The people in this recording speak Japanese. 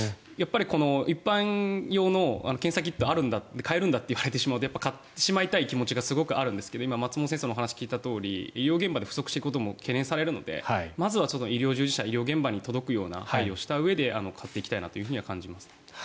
一般用の検査キット買えるんだといわれてしまうとやっぱり買ってしまいたいという気持ちがすごくあるんですが今、松本先生のお話を聞いたとおり医療現場が不足していくことが懸念されるのでまずは医療現場に届くような配慮をしたうえで買っていきたいなと感じますね。